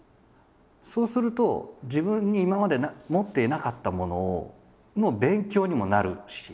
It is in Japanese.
そうすると自分に今まで持っていなかったものの勉強にもなるし。